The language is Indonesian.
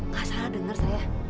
gak salah denger saya